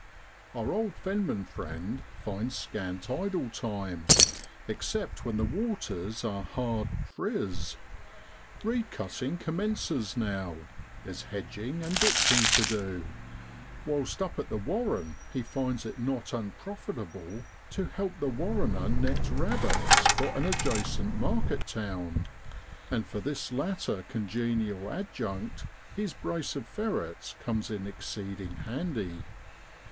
Our old fenman friend finds scant idle time, except when the waters are hard 'friz'; reed cutting commences now; there's hedging and ditching to do, whilst up at the warren he finds it not unprofitable to help the warrener net rabbits for an adjacent market town ; and for this latter congenial adjunct his brace of ferrets comes in exceeding handy.